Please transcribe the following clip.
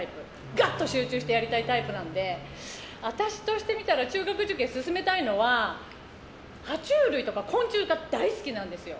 ガッと集中してやりたいタイプなんで私としてみたら中学受験を勧めたいのは爬虫類とか昆虫が大好きなんですよ。